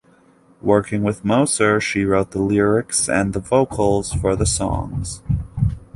Working with Moser, she wrote the lyrics and the vocals for the songs.